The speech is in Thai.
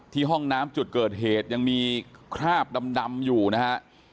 ห้องน้ำจุดเกิดเหตุยังมีคราบดำอยู่นะฮะ